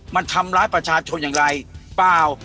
มันทำร้ายประชาชนอย่างไรเปล่า